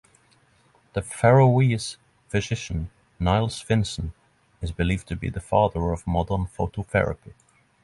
The Faroese physician Niels Finsen is believed to be the father of modern phototherapy.